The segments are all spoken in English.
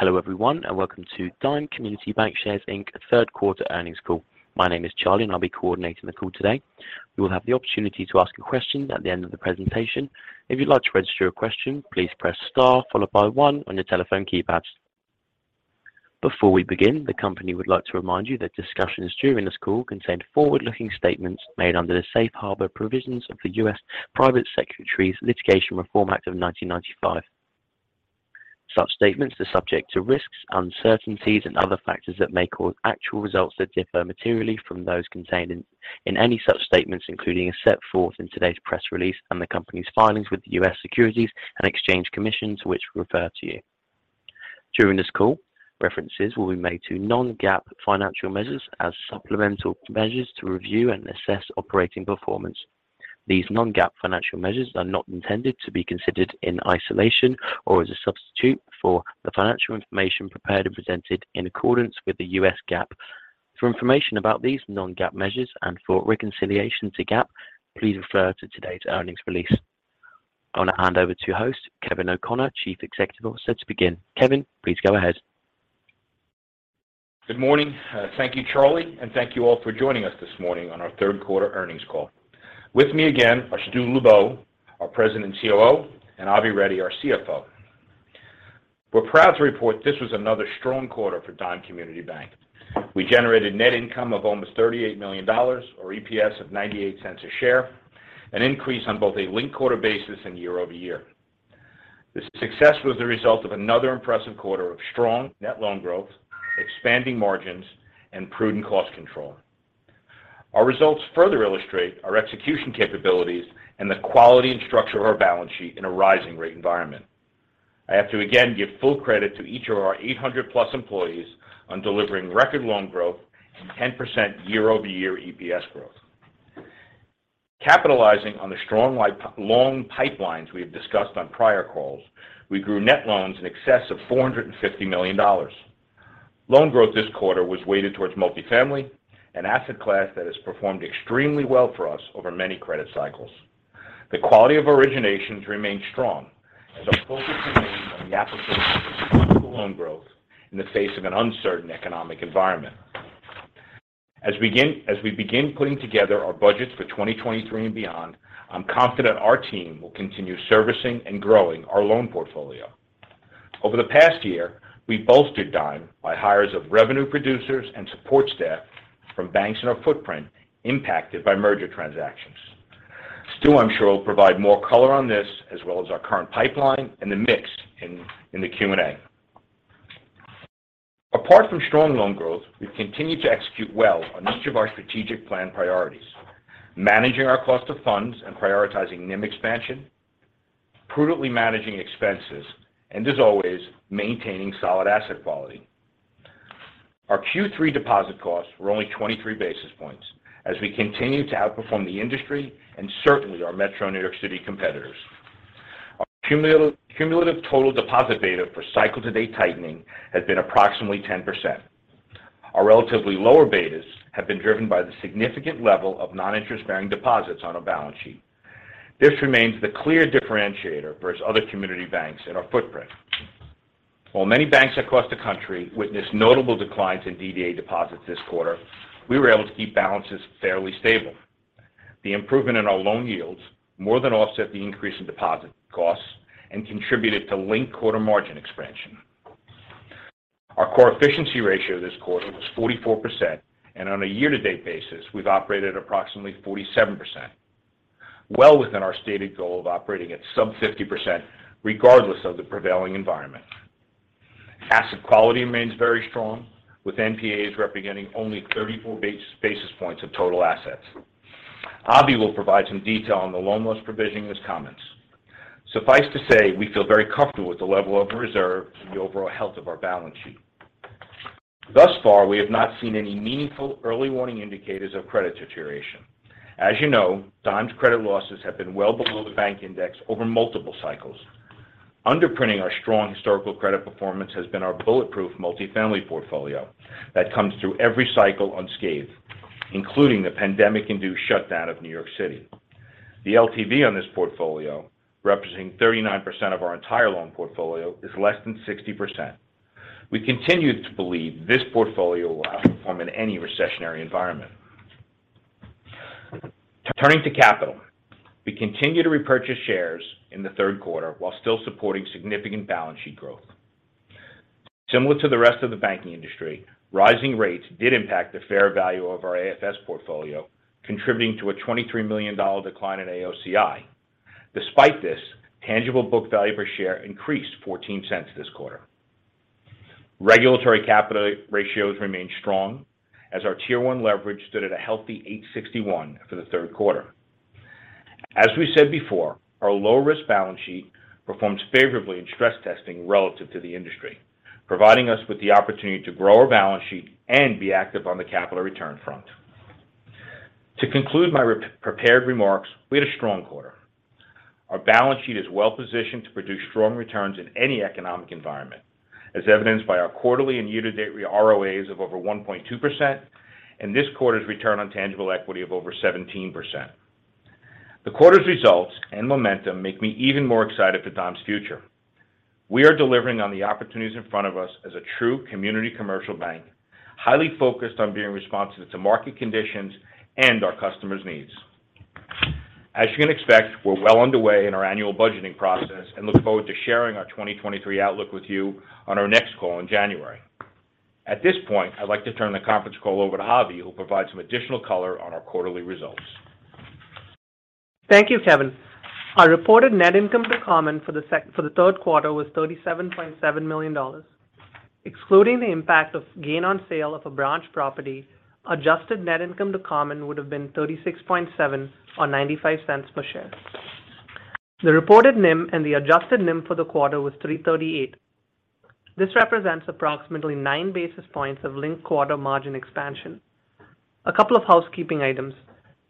Hello, everyone, and welcome to Dime Community Bancshares, Inc. Q3 earnings call. My name is Charlie, and I'll be coordinating the call today. You will have the opportunity to ask a question at the end of the presentation. If you'd like to register your question, please press star followed by one on your telephone keypads. Before we begin, the company would like to remind you that discussions during this call contain forward-looking statements made under the Safe Harbor Provisions of the U.S. Private Securities Litigation Reform Act of 1995. Such statements are subject to risks, uncertainties, and other factors that may cause actual results to differ materially from those contained in any such statements, including as set forth in today's press release and the company's filings with the U.S. Securities and Exchange Commission, to which we refer you. During this call, references will be made to non-GAAP financial measures as supplemental measures to review and assess operating performance. These non-GAAP financial measures are not intended to be considered in isolation or as a substitute for the financial information prepared and presented in accordance with U.S. GAAP. For information about these non-GAAP measures and for reconciliation to GAAP, please refer to today's earnings release. I'm going to hand over to host, Kevin O'Connor, Chief Executive, set to begin. Kevin, please go ahead. Good morning. Thank you, Charlie. Thank you all for joining us this morning on our Q3 earnings call. With me, again, are Stuart Lubow, our President and COO, and Avi Reddy, our CFO. We're proud to report this was another strong quarter for Dime Community Bank. We generated net income of almost $38 million or EPS of $0.98 a share, an increase on both a linked-quarter basis and year-over-year. This success was the result of another impressive quarter of strong net loan growth, expanding margins, and prudent cost control. Our results further illustrate our execution capabilities and the quality and structure of our balance sheet in a rising rate environment. I have to again give full credit to each of our 800+ employees on delivering record loan growth and 10% year-over-year EPS growth. Capitalizing on the strong long pipelines we have discussed on prior calls, we grew net loans in excess of $450 million. Loan growth this quarter was weighted towards multifamily, an asset class that has performed extremely well for us over many credit cycles. The quality of originations remained strong as our focus remains on the application of loan growth in the face of an uncertain economic environment. As we begin putting together our budgets for 2023 and beyond, I'm confident our team will continue servicing and growing our loan portfolio. Over the past year, we bolstered Dime by hires of revenue producers and support staff from banks in our footprint impacted by merger transactions. Stu, I'm sure, will provide more color on this as well as our current pipeline and the mix in the Q&A. Apart from strong loan growth, we've continued to execute well on each of our strategic plan priorities. Managing our cost of funds and prioritizing NIM expansion, prudently managing expenses, and as always, maintaining solid asset quality. Our Q3 deposit costs were only 23 basis points as we continue to outperform the industry and certainly our Metro New York City competitors. Our cumulative total deposit beta for cycle to date tightening has been approximately 10%. Our relatively lower betas have been driven by the significant level of non-interest bearing deposits on our balance sheet. This remains the clear differentiator versus other community banks in our footprint. While many banks across the country witnessed notable declines in DDA deposits this quarter, we were able to keep balances fairly stable. The improvement in our loan yields more than offset the increase in deposit costs and contributed to linked quarter margin expansion. Our core efficiency ratio this quarter was 44%, and on a year to date basis, we've operated at approximately 47%. Well within our stated goal of operating at sub 50% regardless of the prevailing environment. Asset quality remains very strong, with NPAs representing only 34 basis points of total assets. Avi will provide some detail on the loan loss provision in his comments. Suffice to say, we feel very comfortable with the level of reserves and the overall health of our balance sheet. Thus far, we have not seen any meaningful early warning indicators of credit deterioration. As you know, Dime's credit losses have been well below the bank index over multiple cycles. Underprinting our strong historical credit performance has been our bulletproof multifamily portfolio that comes through every cycle unscathed, including the pandemic-induced shutdown of New York City. The LTV on this portfolio, representing 39% of our entire loan portfolio, is less than 60%. We continue to believe this portfolio will outperform in any recessionary environment. Turning to capital. We continued to repurchase shares in the Q3 while still supporting significant balance sheet growth. Similar to the rest of the banking industry, rising rates did impact the fair value of our AFS portfolio, contributing to a $23 million decline in AOCI. Despite this, tangible book value per share increased $0.14 this quarter. Regulatory capital ratios remained strong as our Tier 1 leverage stood at a healthy 8.61% for the Q3. As we said before, our low risk balance sheet performs favorably in stress testing relative to the industry, providing us with the opportunity to grow our balance sheet and be active on the capital return front. To conclude my prepared remarks, we had a strong quarter. Our balance sheet is well positioned to produce strong returns in any economic environment, as evidenced by our quarterly and year-to-date ROAs of over 1.2% and this quarter's return on tangible equity of over 17%. The quarter's results and momentum make me even more excited for Dime's future. We are delivering on the opportunities in front of us as a true community commercial bank, highly focused on being responsive to market conditions and our customers' needs. As you can expect, we're well underway in our annual budgeting process and look forward to sharing our 2023 outlook with you on our next call in January. At this point, I'd like to turn the conference call over to Avi, who'll provide some additional color on our quarterly results. Thank you, Kevin. Our reported net income to common for the Q3 was $37.7 million. Excluding the impact of gain on sale of a branch property, adjusted net income to common would have been $36.7 or $0.95 per share. The reported NIM and the adjusted NIM for the quarter was 3.38%. This represents approximately 9 basis points of linked quarter margin expansion. A couple of housekeeping items.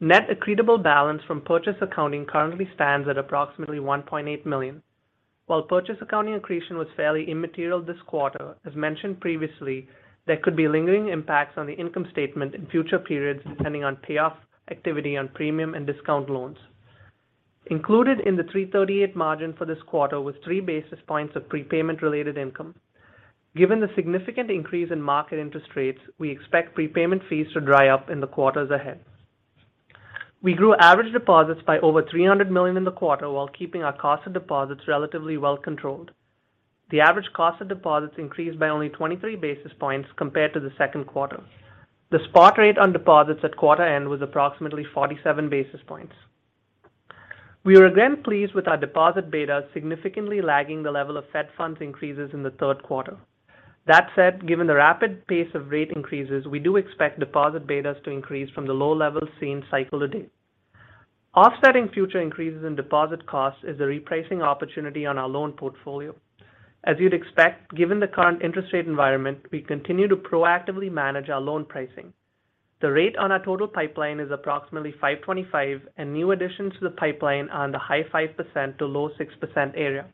Net accretable balance from purchase accounting currently stands at approximately $1.8 million. While purchase accounting accretion was fairly immaterial this quarter, as mentioned previously, there could be lingering impacts on the income statement in future periods depending on payoff activity on premium and discount loans. Included in the 3.38% margin for this quarter was 3 basis points of prepayment related income. Given the significant increase in market interest rates, we expect prepayment fees to dry up in the quarters ahead. We grew average deposits by over $300 million in the quarter while keeping our cost of deposits relatively well controlled. The average cost of deposits increased by only 23 basis points compared to the Q2. The spot rate on deposits at quarter end was approximately 47 basis points. We are again pleased with our deposit beta significantly lagging the level of Fed funds increases in the Q3. That said, given the rapid pace of rate increases, we do expect deposit betas to increase from the low levels seen cycle to date. Offsetting future increases in deposit costs is a repricing opportunity on our loan portfolio. As you'd expect, given the current interest rate environment, we continue to proactively manage our loan pricing. The rate on our total pipeline is approximately 5.25%, and new additions to the pipeline are in the high 5% to low 6% area.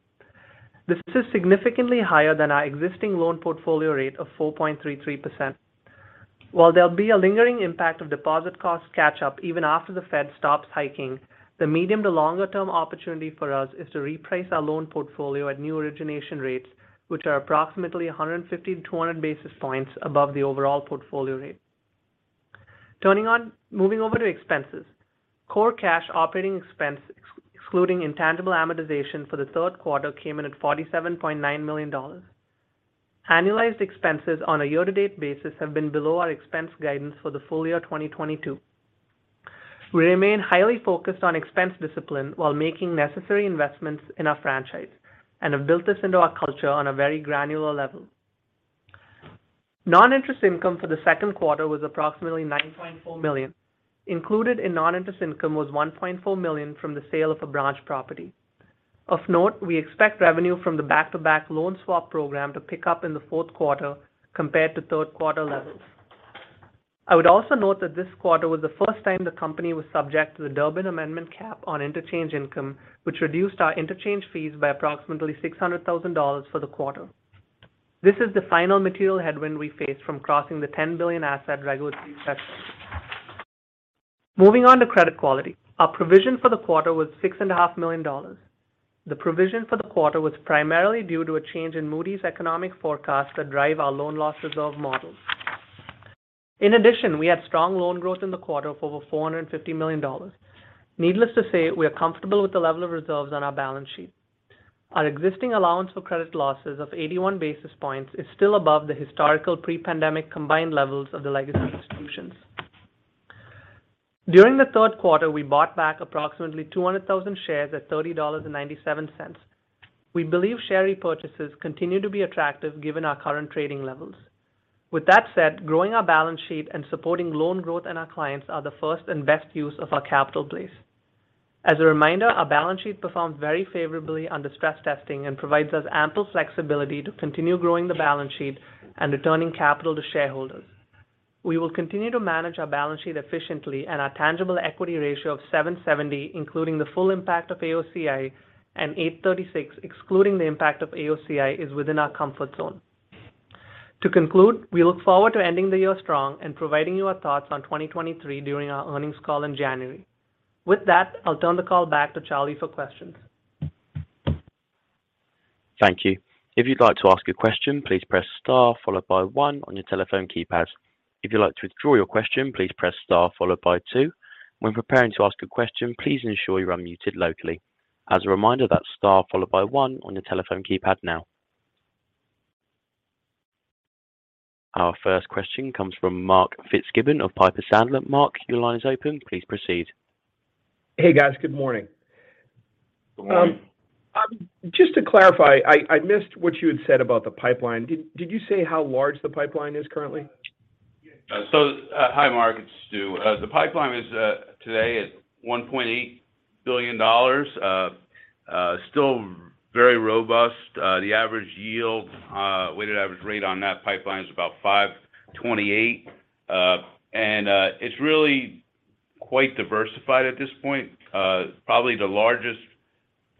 This is significantly higher than our existing loan portfolio rate of 4.33%. While there'll be a lingering impact of deposit costs catch up even after the Fed stops hiking, the medium to longer term opportunity for us is to reprice our loan portfolio at new origination rates, which are approximately 150-200 basis points above the overall portfolio rate. Moving over to expenses. Core cash operating expense excluding intangible amortization for the Q3 came in at $47.9 million. Annualized expenses on a year-to-date basis have been below our expense guidance for the full year 2022. We remain highly focused on expense discipline while making necessary investments in our franchise and have built this into our culture on a very granular level. Non-interest income for the Q2 was approximately $9.4 million. Included in non-interest income was $1.4 million from the sale of a branch property. Of note, we expect revenue from the back-to-back loan swap program to pick up in the Q4 compared to Q3 levels. I would also note that this quarter was the first time the company was subject to the Durbin Amendment cap on interchange income, which reduced our interchange fees by approximately $600,000 for the quarter. This is the final material headwind we face from crossing the $10 billion asset regulatory threshold. Moving on to credit quality. Our provision for the quarter was $6.5 million. The provision for the quarter was primarily due to a change in Moody's economic forecast that drive our loan loss reserve models. In addition, we had strong loan growth in the quarter of over $450 million. Needless to say, we are comfortable with the level of reserves on our balance sheet. Our existing allowance for credit losses of 81 basis points is still above the historical pre-pandemic combined levels of the legacy institutions. During the Q3, we bought back approximately 200,000 shares at $30.97. We believe share repurchases continue to be attractive given our current trading levels. With that said, growing our balance sheet and supporting loan growth in our clients are the first and best use of our capital base. As a reminder, our balance sheet performed very favorably under stress testing and provides us ample flexibility to continue growing the balance sheet and returning capital to shareholders. We will continue to manage our balance sheet efficiently and our tangible equity ratio of 7.70%, including the full impact of AOCI, and 8.36%, excluding the impact of AOCI, is within our comfort zone. To conclude, we look forward to ending the year strong and providing you our thoughts on 2023 during our earnings call in January. With that, I'll turn the call back to Charlie for questions. Thank you. If you'd like to ask a question, please press star followed by one on your telephone keypads. If you'd like to withdraw your question, please press star followed by two. When preparing to ask a question, please ensure you're unmuted locally. As a reminder, that's star followed by one on your telephone keypad now. Our first question comes from Mark Fitzgibbon of Piper Sandler. Mark, your line is open. Please proceed. Hey, guys. Good morning. Good morning. Just to clarify, I missed what you had said about the pipeline. Did you say how large the pipeline is currently? Hi Mark, it's Stu. The pipeline is today at $1.8 billion. Still very robust. The average yield, weighted average rate on that pipeline is about 5.28%. It's really quite diversified at this point. Probably the largest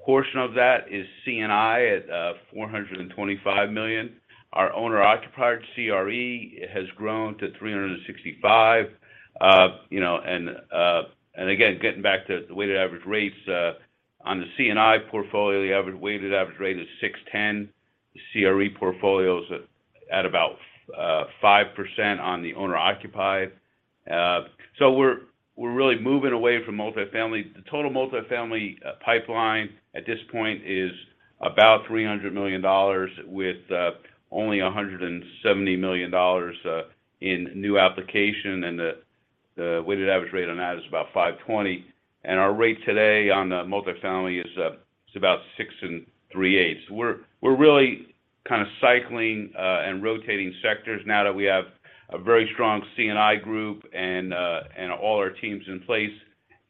Portion of that is C&I at $425 million. Our owner-occupied CRE has grown to $365 million. Getting back to the weighted average rates on the C&I portfolio, the weighted average rate is 6.10%. The CRE portfolio's at about 5% on the owner-occupied. We're really moving away from multifamily. The total multifamily pipeline at this point is about $300 million with only $170 million in new application. The weighted average rate on that is about 5.20%. Our rate today on the multifamily is about 6.38%. We're really kind of cycling and rotating sectors now that we have a very strong C&I group and all our teams in place.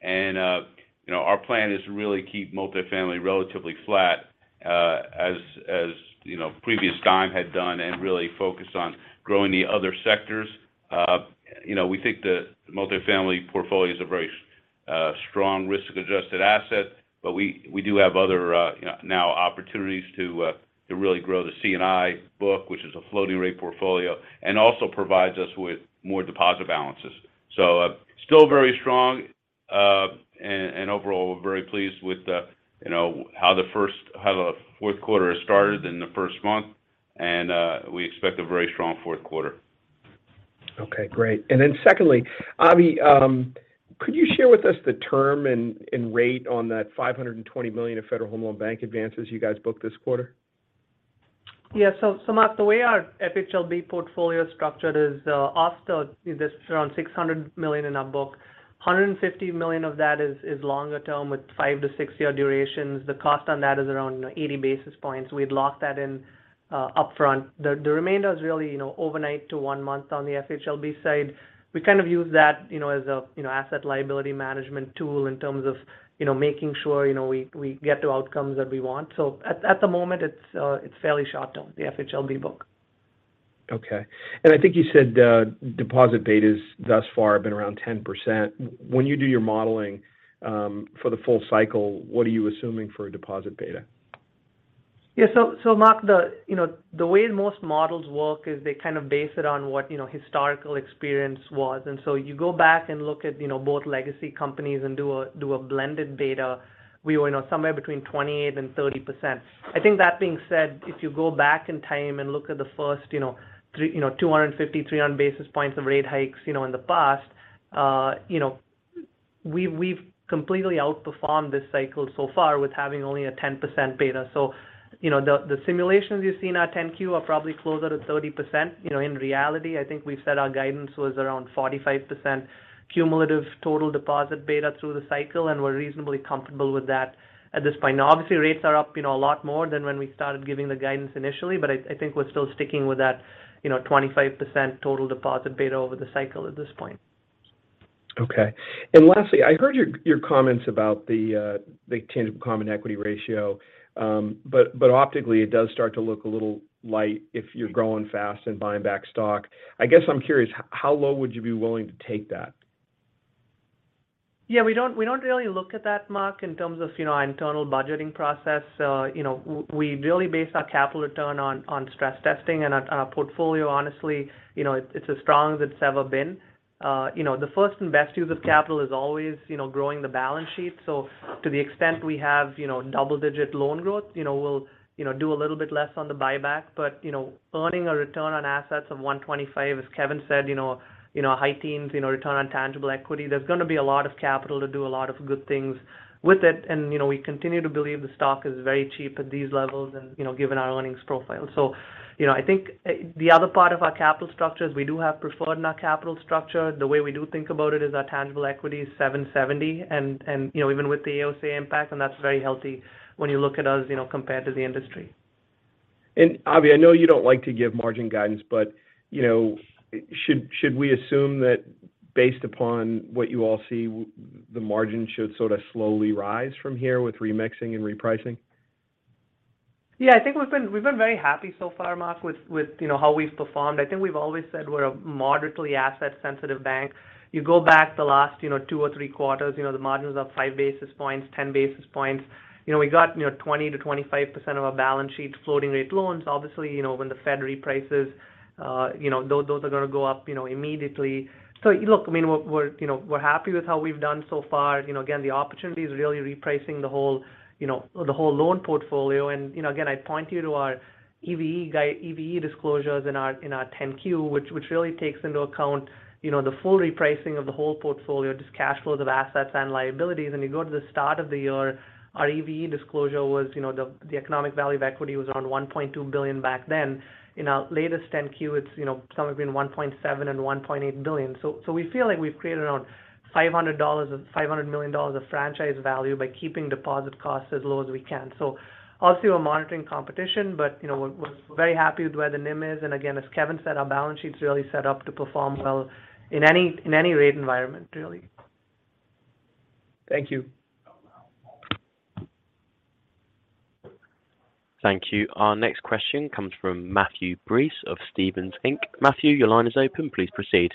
You know, our plan is to really keep multifamily relatively flat, as you know, previous time had done and really focus on growing the other sectors. You know, we think the multifamily portfolio is a very strong risk-adjusted asset, but we do have other opportunities to really grow the C&I book, which is a floating rate portfolio, and also provides us with more deposit balances. Still very strong. Overall, we're very pleased with, you know, how the Q4 has started in the first month, and we expect a very strong Q4. Okay, great. Then secondly, Avi, could you share with us the term and rate on that $520 million of Federal Home Loan Bank advances you guys booked this quarter? Yeah. Mark, the way our FHLB portfolio is structured is. There's around $600 million in our book. $150 million of that is longer term with 5- to 6-year durations. The cost on that is around 80 basis points. We'd lock that in upfront. The remainder is really, you know, overnight to one month on the FHLB side. We kind of use that, you know, as a, you know, asset-liability management tool in terms of, you know, making sure, you know, we get to outcomes that we want. At the moment, it's fairly short-term, the FHLB book. Okay. I think you said, deposit betas thus far have been around 10%. When you do your modeling, for the full cycle, what are you assuming for a deposit beta? Yeah, Mark, the way most models work is they kind of base it on what you know historical experience was. You go back and look at you know both legacy companies and do a blended beta. We were you know somewhere between 28%-30%. I think that being said, if you go back in time and look at the first three you know 250, 300 basis points of rate hikes you know in the past you know we've completely outperformed this cycle so far with having only a 10% beta. You know the simulations you see in our 10-Q are probably closer to 30%. You know, in reality, I think we've said our guidance was around 45% cumulative total deposit beta through the cycle, and we're reasonably comfortable with that at this point. Now obviously rates are up, you know, a lot more than when we started giving the guidance initially, but I think we're still sticking with that, you know, 25% total deposit beta over the cycle at this point. Okay. Lastly, I heard your comments about the tangible common equity ratio. Optically, it does start to look a little light if you're growing fast and buying back stock. I guess I'm curious, how low would you be willing to take that? Yeah, we don't really look at that, Mark, in terms of, you know, our internal budgeting process. You know, we really base our capital return on stress testing and our portfolio, honestly, you know, it's as strong as it's ever been. You know, the first and best use of capital is always, you know, growing the balance sheet. To the extent we have, you know, double-digit loan growth, you know, we'll, you know, do a little bit less on the buyback. You know, earning a return on assets of 1.25%, as Kevin said, you know, high teens return on tangible equity. There's gonna be a lot of capital to do a lot of good things with it. You know, we continue to believe the stock is very cheap at these levels and, you know, given our earnings profile. You know, I think the other part of our capital structure is we do have preferred in our capital structure. The way we do think about it is our tangible equity is 7.70, and, you know, even with the AOCI impact, and that's very healthy when you look at us, you know, compared to the industry. Avi, I know you don't like to give margin guidance, but, you know, should we assume that based upon what you all see, the margin should sort of slowly rise from here with remixing and repricing? Yeah. I think we've been very happy so far, Mark, with you know, how we've performed. I think we've always said we're a moderately asset sensitive bank. You go back to the last 2 or 3 quarters, you know, the margin was up 5 basis points, 10 basis points. You know, we got you know, 20%-25% of our balance sheet floating rate loans. Obviously, you know, when the Fed reprices, you know, those are gonna go up you know, immediately. Look, I mean, we're you know, we're happy with how we've done so far. You know, again, the opportunity is really repricing the whole you know, the whole loan portfolio. You know, again, I'd point you to our EVE disclosures in our 10-Q, which really takes into account, you know, the full repricing of the whole portfolio, just cash flows of assets and liabilities. You go to the start of the year, our EVE disclosure was, you know, the economic value of equity was around $1.2 billion back then. In our latest 10-Q, it's, you know, somewhere between $1.7 billion and $1.8 billion. We feel like we've created around $500 million of franchise value by keeping deposit costs as low as we can. Obviously we're monitoring competition, but you know, we're very happy with where the NIM is. Again, as Kevin said, our balance sheet's really set up to perform well in any rate environment really. Thank you. Thank you. Our next question comes from Matthew Breese of Stephens Inc. Matthew, your line is open. Please proceed.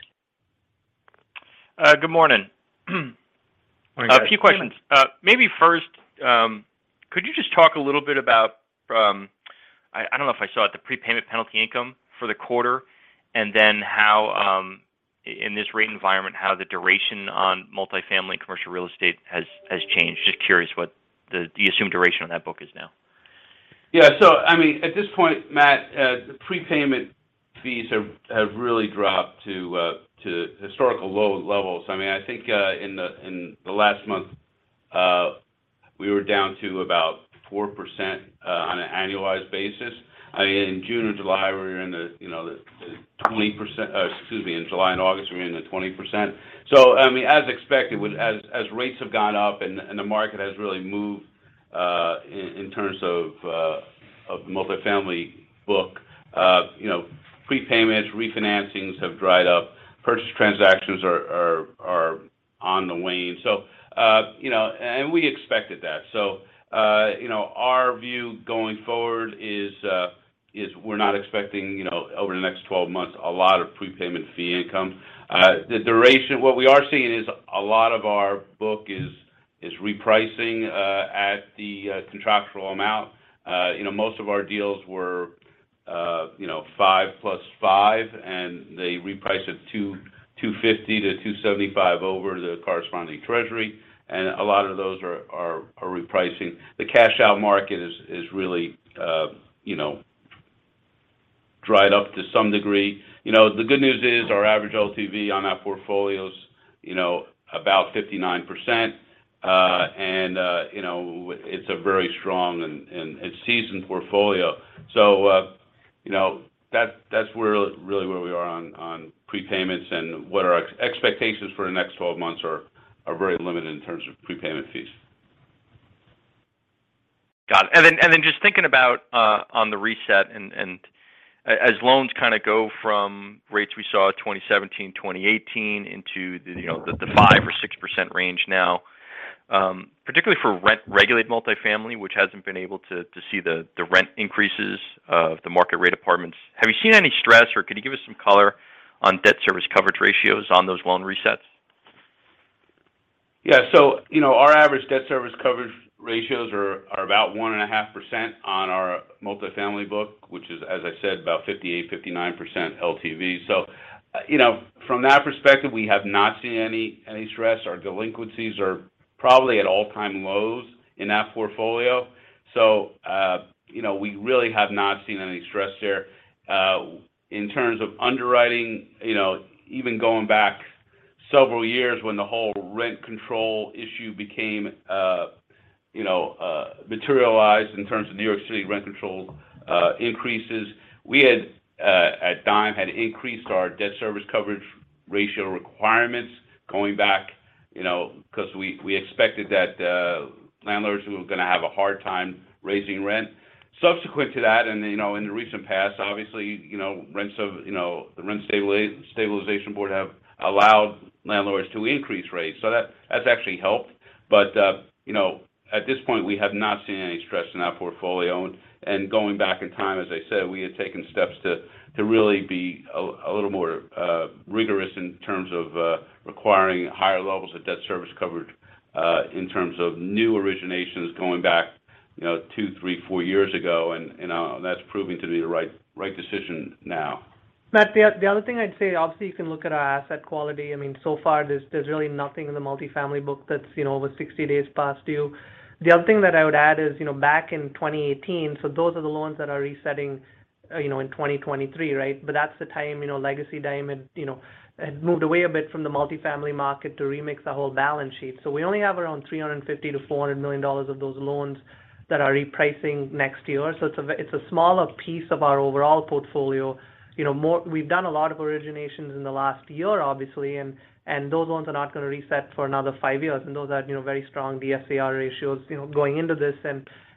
Good morning. Good morning. A few questions. Maybe first, could you just talk a little bit about, I don't know if I saw it, the prepayment penalty income for the quarter, and then how in this rate environment, how the duration on multifamily commercial real estate has changed. Just curious what the assumed duration on that book is now. Yeah. I mean, at this point, Matt, the prepayment fees have really dropped to historical low levels. I mean, I think, in the last month, we were down to about 4% on an annualized basis. I mean, in June and July, we were in the 20%. Or excuse me, in July and August, we were in the 20%. I mean, as expected, with rates have gone up and the market has really moved, in terms of the multifamily book, you know, prepayments, refinancings have dried up. Purchase transactions are on the wane. And we expected that. Our view going forward is we're not expecting over the next 12 months, a lot of prepayment fee income. What we are seeing is a lot of our book is repricing at the contractual amount. Most of our deals were 5 + 5, and they reprice at 250-275 over the corresponding treasury. A lot of those are repricing. The cash out market is really dried up to some degree. You know, the good news is our average LTV on our portfolio is about 59%. And you know, it's a very strong and it's seasoned portfolio. You know, that's where we really are on prepayments and what our expectations for the next 12 months are very limited in terms of prepayment fees. Got it. Just thinking about, on the reset and as loans kinda go from rates we saw at 2017, 2018 into the, you know, the 5%-6% range now, particularly for rent-regulated multifamily, which hasn't been able to see the rent increases of the market rate apartments. Have you seen any stress, or can you give us some color on debt service coverage ratios on those loan resets? Yeah. You know, our average debt service coverage ratios are about 1.5% on our multifamily book, which is, as I said, about 58%-59% LTV. You know, from that perspective, we have not seen any stress. Our delinquencies are probably at all-time lows in that portfolio. You know, we really have not seen any stress there. In terms of underwriting, you know, even going back several years when the whole rent control issue became, you know, materialized in terms of New York City rent control increases, we at Dime had increased our debt service coverage ratio requirements going back, you know, 'cause we expected that, landlords were gonna have a hard time raising rent. Subsequent to that, you know, in the recent past, obviously, you know, rents of, you know, the Rent Guidelines Board have allowed landlords to increase rates. That that's actually helped. You know, at this point, we have not seen any stress in our portfolio. Going back in time, as I said, we had taken steps to really be a little more rigorous in terms of requiring higher levels of debt service coverage in terms of new originations going back, you know, 2, 3, 4 years ago, you know, that's proving to be the right decision now. Matt, the other thing I'd say, obviously, you can look at our asset quality. I mean, so far, there's really nothing in the multifamily book that's, you know, over 60 days past due. The other thing that I would add is, you know, back in 2018, so those are the loans that are resetting, you know, in 2023, right? That's the time, you know, Legacy Dime had moved away a bit from the multifamily market to remix the whole balance sheet. We only have around $350 million-$400 million of those loans that are repricing next year. It's a smaller piece of our overall portfolio. You know, we've done a lot of originations in the last year, obviously, and those ones are not gonna reset for another 5 years. Those are, you know, very strong DSCR ratios, you know, going into this.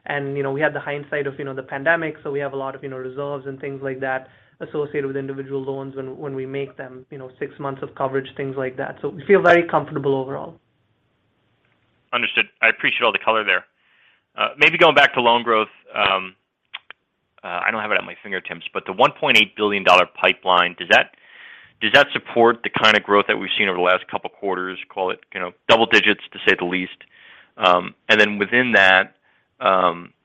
We had the hindsight of, you know, the pandemic, so we have a lot of, you know, reserves and things like that associated with individual loans when we make them. You know, six months of coverage, things like that. We feel very comfortable overall. Understood. I appreciate all the color there. Maybe going back to loan growth, I don't have it at my fingertips, but the $1.8 billion pipeline, does that support the kinda growth that we've seen over the last couple quarters, call it, you know, double digits, to say the least? And then within that,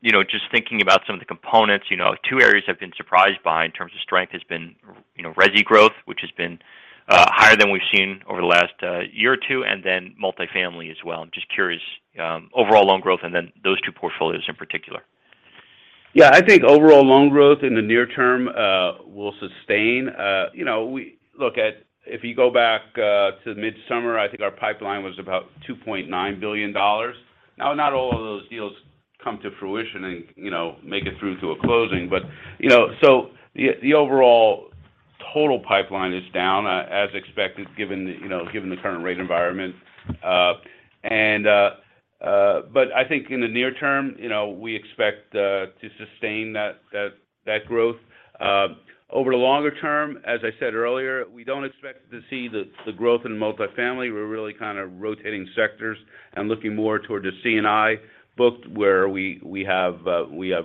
you know, just thinking about some of the components. You know, two areas I've been surprised by in terms of strength has been, you know, resi growth, which has been higher than we've seen over the last year or two, and then multifamily as well. I'm just curious, overall loan growth and then those two portfolios in particular. Yeah. I think overall loan growth in the near term will sustain. You know, if you go back to midsummer, I think our pipeline was about $2.9 billion. Now, not all of those deals come to fruition and, you know, make it through to a closing. You know, the overall total pipeline is down, as expected given the current rate environment. I think in the near term, you know, we expect to sustain that growth. Over the longer term, as I said earlier, we don't expect to see the growth in multifamily. We're really kind of rotating sectors and looking more toward the C&I book, where we have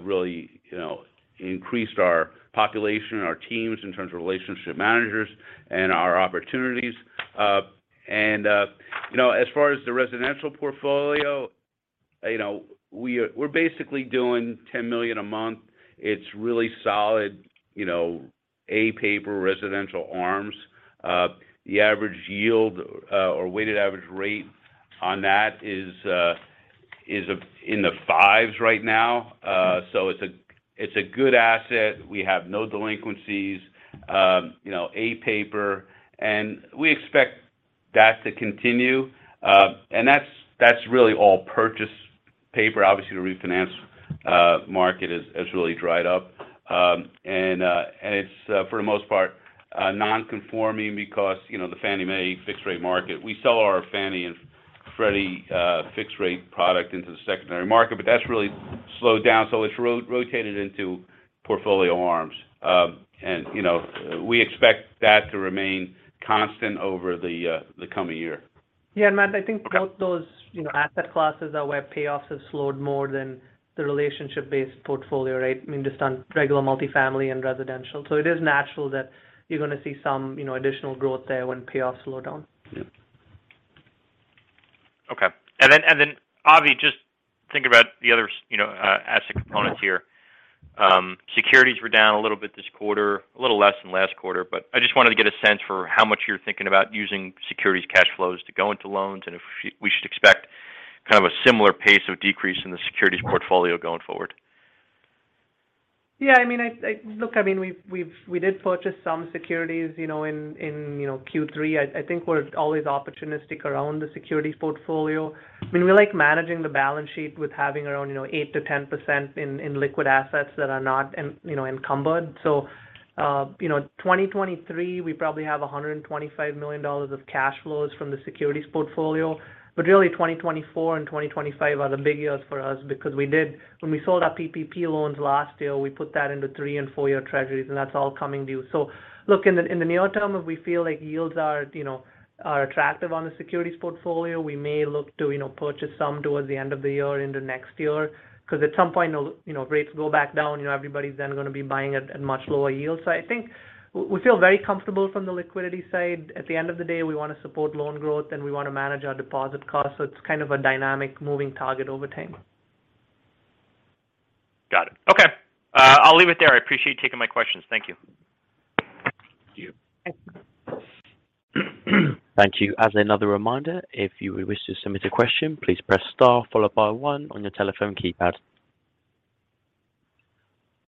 really, you know, increased our population, our teams in terms of relationship managers and our opportunities. You know, as far as the residential portfolio. You know, we're basically doing $10 million a month. It's really solid, you know, A-paper residential ARMs. The average yield or weighted average rate on that is in the fives right now. So it's a good asset. We have no delinquencies, you know, A-paper, and we expect that to continue. That's really all purchase paper. Obviously, the refinance market has really dried up. It's for the most part non-conforming because, you know, the Fannie Mae fixed-rate market. We sell our Fannie and Freddie fixed-rate product into the secondary market, but that's really slowed down. It's rotated into portfolio ARMs. You know, we expect that to remain constant over the coming year. Yeah. Matt, I think both those, you know, asset classes are where payoffs have slowed more than the relationship-based portfolio, right? I mean, just on regular multifamily and residential. It is natural that you're gonna see some, you know, additional growth there when payoffs slow down. Yep. Okay. Avi, just thinking about the other you know, asset components here. Securities were down a little bit this quarter, a little less than last quarter, but I just wanted to get a sense for how much you're thinking about using securities cash flows to go into loans, and if we should expect kind of a similar pace of decrease in the securities portfolio going forward. Yeah, I mean, look, I mean, we did purchase some securities, you know, in Q3. I think we're always opportunistic around the securities portfolio. I mean, we like managing the balance sheet with having around, you know, 8%-10% in liquid assets that are not encumbered. You know, 2023, we probably have $125 million of cash flows from the securities portfolio. Really, 2024 and 2025 are the big years for us because when we sold our PPP loans last year, we put that into three- and four-year treasuries, and that's all coming due. Look, in the near term, if we feel like yields are, you know, are attractive on the securities portfolio, we may look to, you know, purchase some towards the end of the year into next year. Because at some point, you know, rates go back down, you know, everybody's then gonna be buying at much lower yields. I think we feel very comfortable from the liquidity side. At the end of the day, we wanna support loan growth, and we wanna manage our deposit cost. It's kind of a dynamic moving target over time. Got it. Okay. I'll leave it there. I appreciate you taking my questions. Thank you. Thank you. Thanks. Thank you. As another reminder, if you would wish to submit a question, please press star followed by one on your telephone keypad.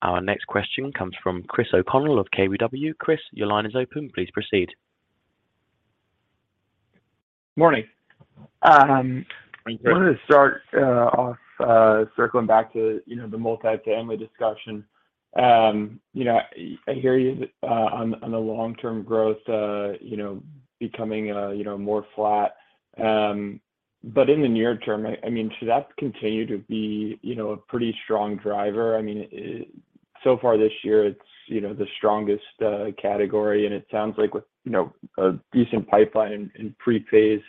Our next question comes from Chris O'Connell of KBW. Chris, your line is open. Please proceed. Morning. Thank you. I wanted to start off circling back to, you know, the multifamily discussion. You know, I hear you on the long-term growth, you know, becoming, you know, more flat. In the near term, I mean, should that continue to be, you know, a pretty strong driver? I mean, so far this year, it's, you know, the strongest category, and it sounds like with, you know, a decent pipeline in prepays,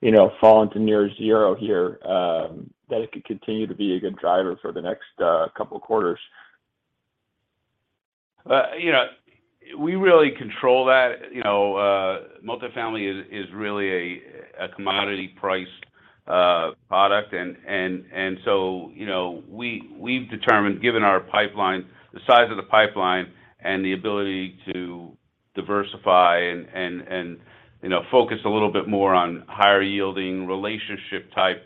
you know, falling to near zero here, that it could continue to be a good driver for the next couple quarters. You know, we really control that. You know, multifamily is really a commodity priced product. You know, we've determined, given our pipeline, the size of the pipeline and the ability to diversify and you know focus a little bit more on higher yielding relationship type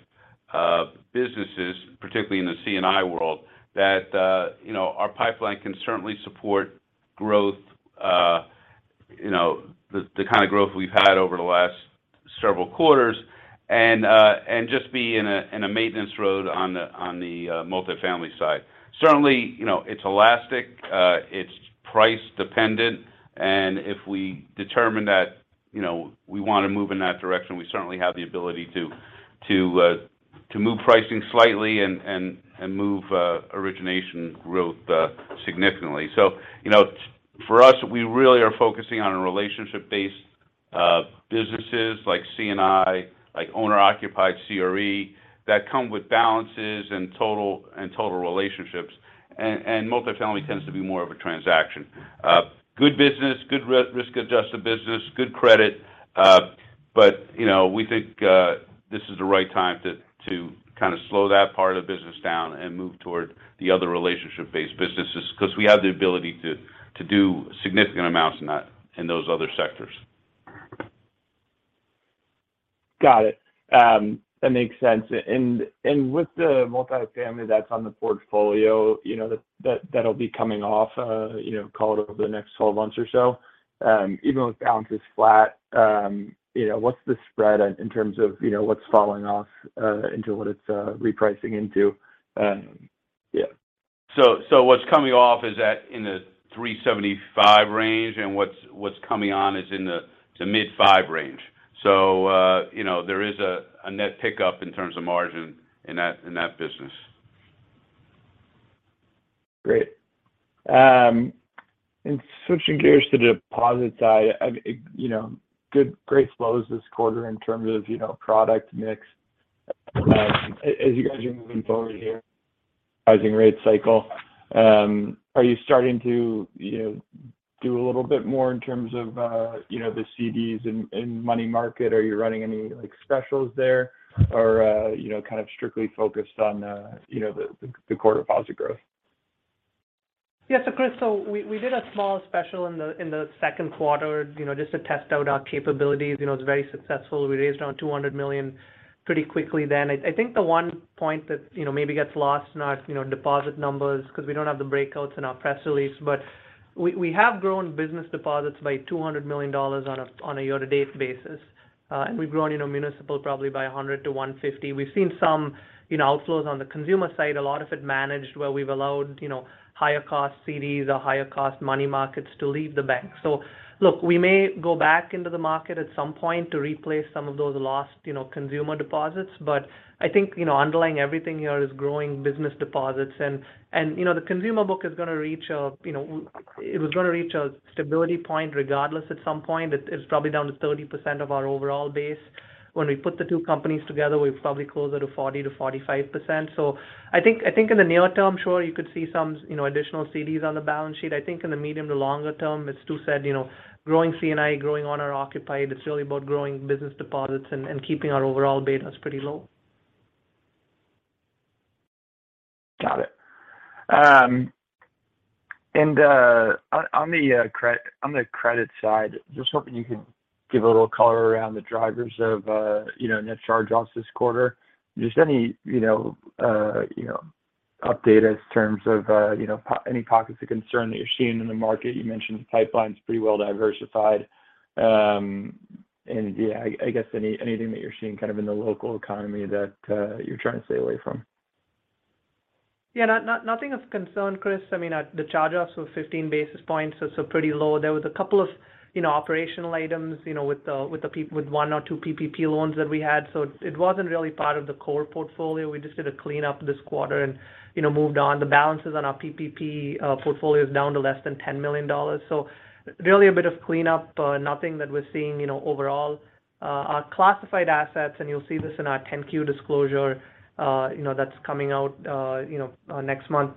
businesses, particularly in the C&I world, that you know our pipeline can certainly support growth. You know, the kind of growth we've had over the last several quarters and just be in a maintenance mode on the multifamily side. Certainly, you know, it's elastic, it's price dependent, and if we determine that you know we wanna move in that direction, we certainly have the ability to move pricing slightly and move origination growth significantly. You know, for us, we really are focusing on relationship based businesses like C&I, like owner-occupied CRE that come with balances and total relationships. Multifamily tends to be more of a transaction. Good business, good risk-adjusted business, good credit, but you know, we think this is the right time to kind of slow that part of the business down and move toward the other relationship-based businesses, 'cause we have the ability to do significant amounts in that, in those other sectors. Got it. That makes sense. With the multifamily that's on the portfolio, you know, that that'll be coming off, you know, call it over the next 12 months or so. Even with balances flat, you know, what's the spread in terms of, you know, what's falling off into what it's repricing into? Yeah. What's coming off is at 3.75% and what's coming on is in the mid-5% range. You know, there is a net pickup in terms of margin in that business. Great. Switching gears to the deposit side, you know, good, great flows this quarter in terms of, you know, product mix. As you guys are moving forward here, rising rate cycle. Are you starting to, you know, do a little bit more in terms of, you know, the CDs in money market? Are you running any, like, specials there? Or, you know, kind of strictly focused on, you know, the core deposit growth? Yeah. Chris, we did a small special in the Q2, you know, just to test out our capabilities. You know, it's very successful. We raised around $200 million pretty quickly then. I think the one point that, you know, maybe gets lost in our, you know, deposit numbers because we don't have the breakouts in our press release, but we have grown business deposits by $200 million on a year-to-date basis. We've grown, you know, municipal probably by $100-$150. We've seen some, you know, outflows on the consumer side. A lot of it managed where we've allowed, you know, higher cost CDs or higher cost money markets to leave the bank. Look, we may go back into the market at some point to replace some of those lost, you know, consumer deposits. I think, you know, underlying everything here is growing business deposits. You know, the consumer book is gonna reach a, you know, it was gonna reach a stability point regardless at some point. It's probably down to 30% of our overall base. When we put the two companies together, we're probably closer to 40%-45%. I think in the near term, sure, you could see some, you know, additional CDs on the balance sheet. I think in the medium to longer term, it's two-sided. You know, growing C&I, growing owner-occupied, it's really about growing business deposits and keeping our overall betas pretty low. Got it. On the credit side, just wondering if you could give a little color around the drivers of, you know, net charge-offs this quarter. Just any, you know, you know, update in terms of, you know, any pockets of concern that you're seeing in the market. You mentioned pipeline's pretty well diversified. Yeah, I guess anything that you're seeing kind of in the local economy that you're trying to stay away from. Yeah. Nothing of concern, Chris. I mean, the charge offs were 15 basis points, so pretty low. There was a couple of, you know, operational items, you know, with one or two PPP loans that we had. So it wasn't really part of the core portfolio. We just did a cleanup this quarter and, you know, moved on. The balances on our PPP portfolio is down to less than $10 million. So really a bit of cleanup. Nothing that we're seeing, you know, overall. Our classified assets, and you'll see this in our 10-Q disclosure, you know, that's coming out, you know, next month.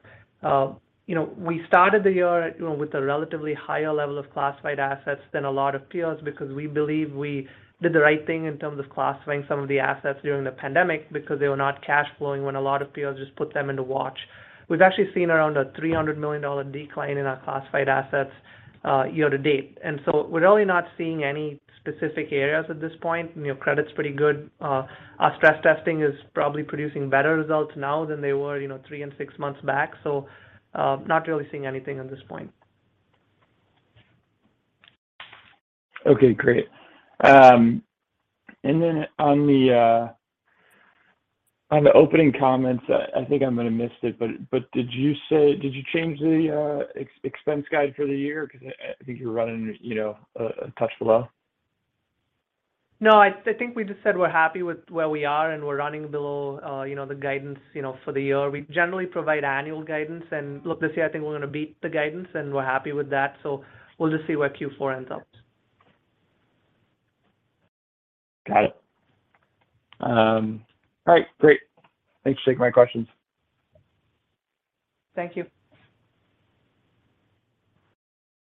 You know, we started the year, you know, with a relatively higher level of classified assets than a lot of peers because we believe we did the right thing in terms of classifying some of the assets during the pandemic because they were not cash flowing when a lot of peers just put them into watch. We've actually seen around a $300 million decline in our classified assets, year to date. We're really not seeing any specific areas at this point. You know, credit's pretty good. Our stress testing is probably producing better results now than they were, you know, 3 and 6 months back. Not really seeing anything at this point. Okay, great. On the opening comments, I think I might have missed it, but did you change the expense guide for the year? 'Cause I think you're running, you know, a touch below. No, I think we just said we're happy with where we are, and we're running below, you know, the guidance, you know, for the year. We generally provide annual guidance. Look, this year I think we're gonna beat the guidance, and we're happy with that. We'll just see where Q4 ends up. Got it. All right. Great. Thanks for taking my questions. Thank you.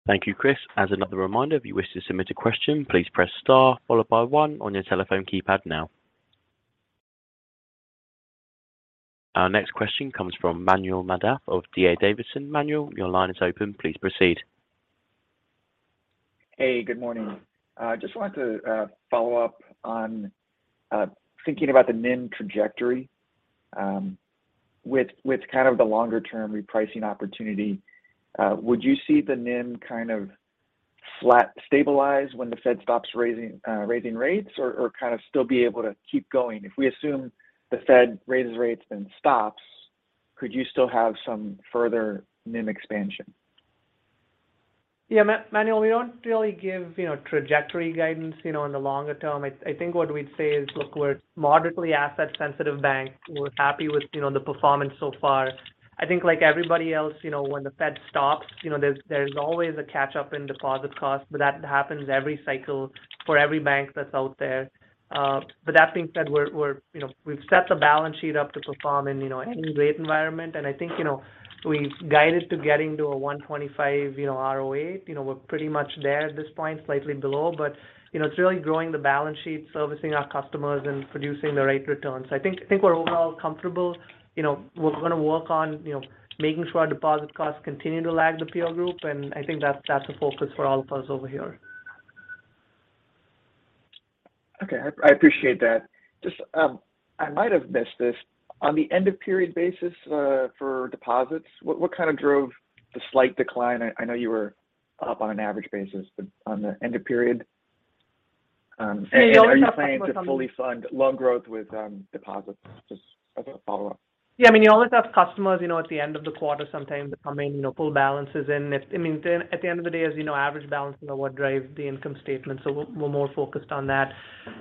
Thank you, Chris. As another reminder, if you wish to submit a question, please press star followed by one on your telephone keypad now. Our next question comes from Manuel Navas of D.A. Davidson. Manuel, your line is open. Please proceed. Hey, good morning. I just wanted to follow up on thinking about the NIM trajectory with kind of the longer term repricing opportunity. Would you see the NIM kind of flat stabilize when the Fed stops raising rates or kind of still be able to keep going? If we assume the Fed raises rates then stops, could you still have some further NIM expansion? Yeah. Manuel, we don't really give, you know, trajectory guidance, you know, in the longer term. I think what we'd say is, look, we're moderately asset sensitive bank. We're happy with, you know, the performance so far. I think like everybody else, you know, when the Fed stops, you know, there's always a catch up in deposit costs, but that happens every cycle for every bank that's out there. That being said, you know, we've set the balance sheet up to perform in, you know, any rate environment. I think, you know, we've guided to getting to a 1.25 ROA. You know, we're pretty much there at this point, slightly below. It's really growing the balance sheet, servicing our customers and producing the right returns. I think we're overall comfortable. You know, we're gonna work on, you know, making sure our deposit costs continue to lag the peer group, and I think that's a focus for all of us over here. Okay. I appreciate that. Just, I might have missed this. On the end of period basis, for deposits, what kind of drove the slight decline? I know you were up on an average basis, but on the end of period. Are you planning to fully fund loan growth with deposits? Just as a follow-up. Yeah. I mean, you always have customers, you know, at the end of the quarter sometimes that come in, you know, pull balances in. I mean, at the end of the day, as you know, average balance, you know, what drive the income statement. So we're more focused on that.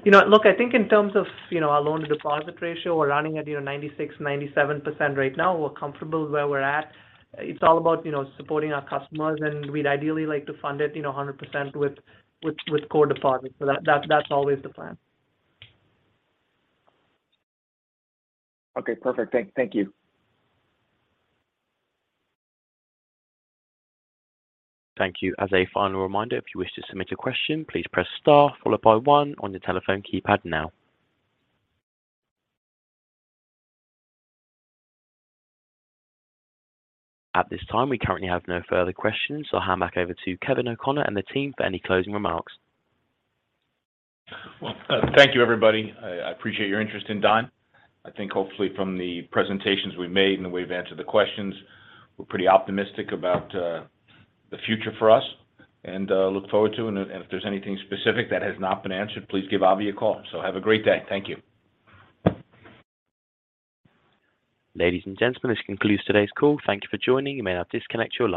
You know, look, I think in terms of, you know, our loan-to-deposit ratio, we're running at, you know, 96%-97% right now. We're comfortable where we're at. It's all about, you know, supporting our customers, and we'd ideally like to fund it, you know, 100% with core deposits. So that's always the plan. Okay. Perfect. Thank you. Thank you. As a final reminder, if you wish to submit a question, please press star followed by one on your telephone keypad now. At this time, we currently have no further questions. I'll hand back over to Kevin O'Connor and the team for any closing remarks. Well, thank you, everybody. I appreciate your interest in Dime. I think hopefully from the presentations we made and the way we've answered the questions, we're pretty optimistic about the future for us and look forward to. If there's anything specific that has not been answered, please give Avi a call. Have a great day. Thank you. Ladies and gentlemen, this concludes today's call. Thank you for joining. You may now disconnect your line.